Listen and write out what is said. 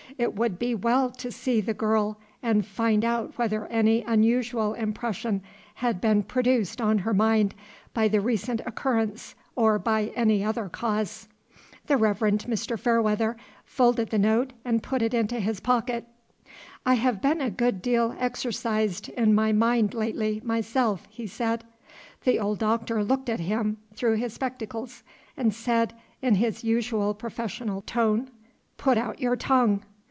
It would be well to see the girl and find out whether any unusual impression had been produced on her mind by the recent occurrence or by any other cause. The Reverend Mr. Fairweather folded the note and put it into his pocket. "I have been a good deal exercised in mind lately, myself," he said. The old Doctor looked at him through his spectacles, and said, in his usual professional tone, "Put out your tongue."